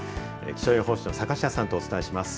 気象予報士の坂下さんとお伝えします。